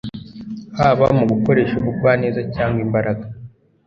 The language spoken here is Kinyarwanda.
haba mu gukoresha ubugwaneza cyangwa imbaraga;